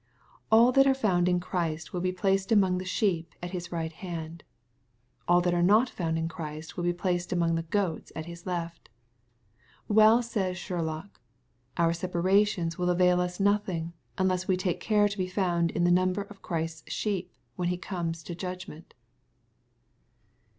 ; All that are found in Christ will be placed among the sheep at His right hand. All that are not found in Christ will be placed among the goats at His left. Well says Sherlock, " Our separations will avail us nothing, unless we take care to be found in thB number of Christ's sheep, when He comes to judgment.